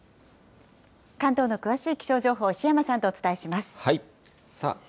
関東の詳しい気象情報、檜山さんとお伝えします。